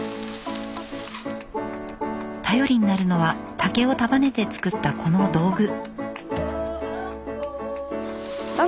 頼りになるのは竹を束ねて作ったこの道具。